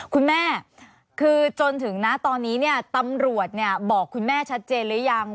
คุณแม่คือจนถึงนะตอนนี้เนี่ยตำรวจบอกคุณแม่ชัดเจนหรือยัง